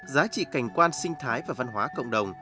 giá trị cảnh quan sinh thái và văn hóa cộng đồng